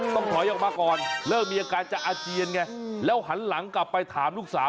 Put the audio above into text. ต้องถอยออกมาก่อนเริ่มมีอาการจะอาเจียนไงแล้วหันหลังกลับไปถามลูกสาว